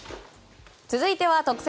続いては特選！